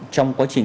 trong quá trình